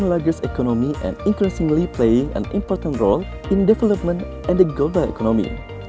adalah ekonomi yang kedua dan selalu memiliki peran penting dalam pembangunan dan ekonomi berwarna emas